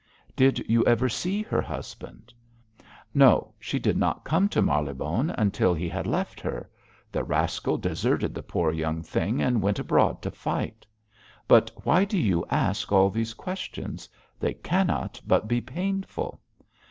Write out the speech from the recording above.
'Did you ever see her husband?' 'No; she did not come to Marylebone until he had left her. The rascal deserted the poor young thing and went abroad to fight. But why do you ask all these questions? They cannot but be painful.'